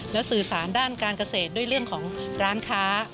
แล้วสื่อสารด้านการเกษตรด้วยเรื่องของร้านค้า